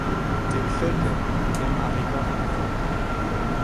Dyw Lloegr ddim ar eu gorau heddiw.